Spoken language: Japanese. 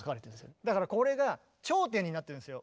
だからこれが頂点になってるんですよ